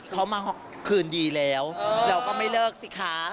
เขามาคืนดีแล้วเราก็ไม่เลิกสิคะ